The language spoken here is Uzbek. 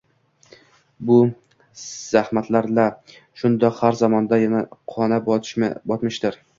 Bu zahmatlar-la shundoq har zamonda qona botmishdir